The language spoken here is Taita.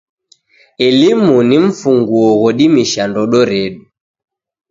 Elimu ni mfunguo ghodimisha ndodo redu.